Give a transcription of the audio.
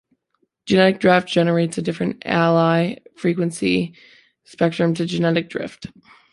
Genetic draft generates a different allele frequency spectrum to genetic drift.